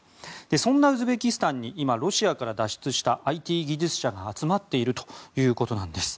そんなウズベキスタンに今、ロシアから脱出したＩＴ技術者が集まっているということなんです。